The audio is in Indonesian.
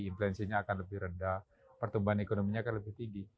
inflasinya akan lebih rendah pertumbuhan ekonominya akan lebih tinggi